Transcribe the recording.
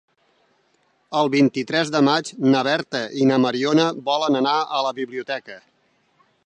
El vint-i-tres de maig na Berta i na Mariona volen anar a la biblioteca.